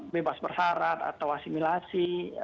bebas persarat atau asimilasi